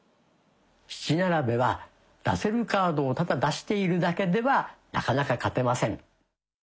七並べは出せるカードをただ出しているだけではなかなか勝てません。